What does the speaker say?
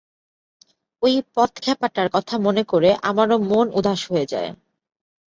ঐ পথ-খেপাটার কথা মনে করে আমারও মন উদাস হয়ে যায়।